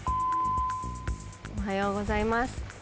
おはようございます。